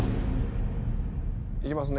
いきますね。